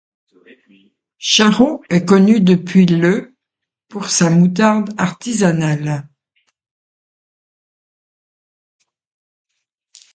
Charroux est connue depuis le pour sa moutarde artisanale.